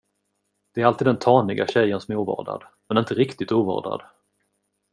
Det är alltid den taniga tjejen som är ovårdad, men inte riktigt ovårdad.